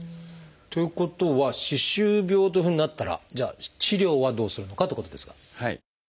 ということは歯周病というふうになったらじゃあ治療はどうするのかってことですが。